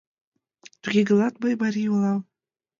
— Туге гынат, мый марий улам!